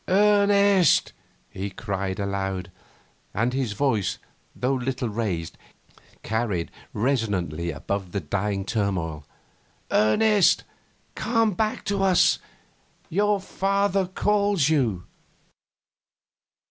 'Ernest!' he cried aloud, and his voice, though little raised, carried resonantly above the dying turmoil; 'Ernest! Come back to us. Your father calls you!